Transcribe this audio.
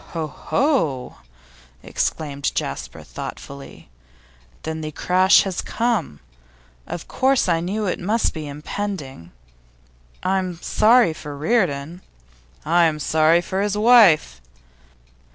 'Ho, ho!' exclaimed Jasper, thoughtfully. 'Then the crash has come. Of course I knew it must be impending. I'm sorry for Reardon.' 'I'm sorry for his wife.